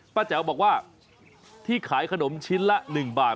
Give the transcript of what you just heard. แจ๋วบอกว่าที่ขายขนมชิ้นละ๑บาท